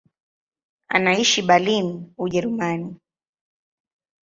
Anaishi Berlin, Ujerumani.